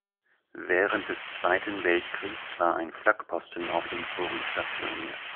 Während des Zweiten Weltkriegs war ein Flak-Posten auf dem Turm stationiert.